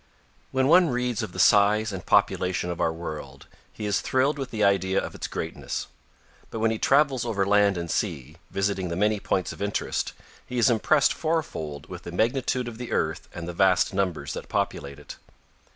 When one reads of the size and population of our world he is thrilled with the idea of its greatness. But when he travels over land and sea, visiting the many points of interest, he is impressed four fold with the magnitude of the Earth and the vast numbers that populate it.